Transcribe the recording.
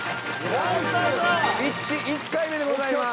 一致１回目でございます。